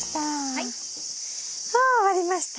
はい。は終わりました。